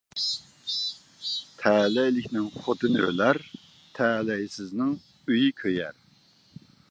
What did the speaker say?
تەلەيلىكنىڭ خوتۇنى ئۆلەر، تەلەيسىزنىڭ ئۆيى كۆيەر.